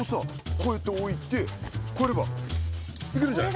こうやって置いてこうやればいけるんじゃない？